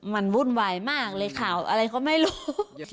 มันวุ่นวายมากเลยข่าวอะไรก็ไม่รู้